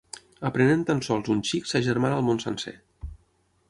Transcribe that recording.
Aprenent tan sols un xic s'agermana el món sencer.